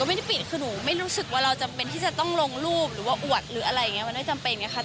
ก็ไม่ได้ปิดคือหนูไม่รู้สึกว่าเราจำเป็นที่จะต้องลงรูปหรือว่าอวดหรือนั่นไงมันไม่จำเป็น